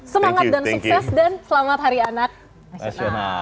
semangat dan sukses dan selamat hari anak nasional